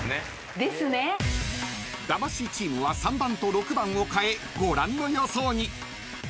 ［魂チームは３番と６番を替えご覧の予想に］